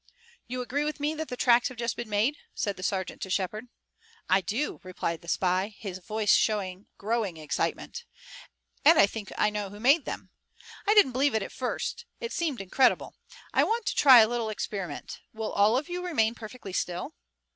"You agree with me that the tracks have just been made?" said the sergeant to Shepard. "I do," replied the spy, his voice showing growing excitement, "and I think I know who made them. I didn't believe it at first. It seemed incredible. I want to try a little experiment. Will all of you remain perfectly still?"